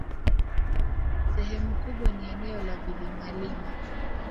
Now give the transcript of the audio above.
Sehemu kubwa ni eneo la vilima-vilima.